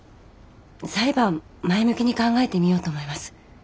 裁判前向きに考えてみようと思います。